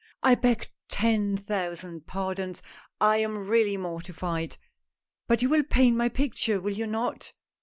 " I beg ten thousand pardons ! I am really mortified — but you will paint my picture, will you not